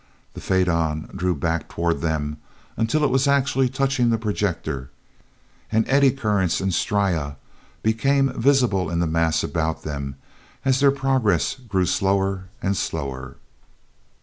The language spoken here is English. The faidon drew back toward them until it was actually touching the projector, and eddy currents and striae became visible in the mass about them as their progress grew slower and slower.